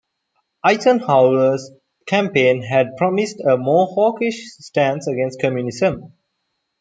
Eisenhower's campaign had promised a more hawkish stance against communism.